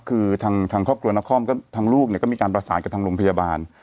คือทางครอบครัวนครทางลูกเนี่ยก็มีการประสานกับทางโรงพยาบาล